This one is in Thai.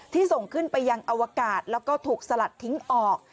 ส่งขึ้นไปยังอวกาศแล้วก็ถูกสลัดทิ้งออก